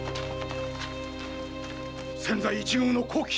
千載一遇の好機！